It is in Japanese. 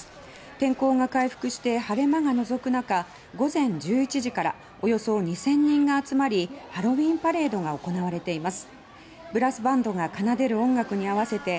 天候が回復して晴れ間がのぞく中午前１１時からおよそ２０００人が集まりハロウィーンパレードが行われています。